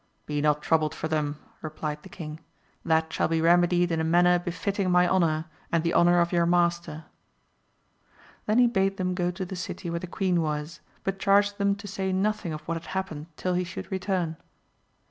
Be not troubled for them, replied the king, that shall be remedied in a manner befitting my honour and the honour of your master. Then he bade them go to the city where the queen was, but charged them to say nothing of what had hap pened till he should return.